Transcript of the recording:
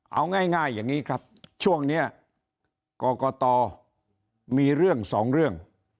เอาง่ายอย่างนี้ครับช่วงนี้กรกตมีเรื่องสองเรื่อง